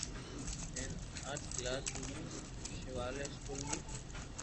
ھين آٺ مون دس ڪلاس ۾ ݾاوليلا اسڪول مون